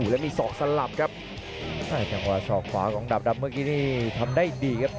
แล้วมีศอกสลับครับจังหวะศอกขวาของดาบดำเมื่อกี้นี่ทำได้ดีครับ